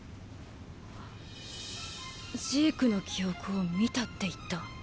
ジークの記憶を見たって言った？